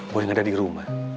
boy gak ada di rumah